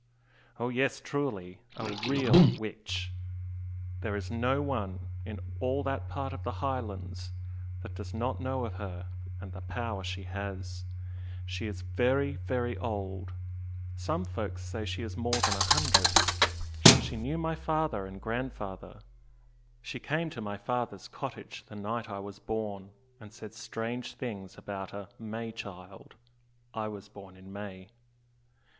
Oh yes, truly! a real witch! There is no one in all that part of the Highlands that does not know of her, and the power she has! She is very, very old some folks say she is more than a hundred. She knew my father and grandfather she came to my father's cottage the night I was born, and said strange things about a 'May child' I was born in May.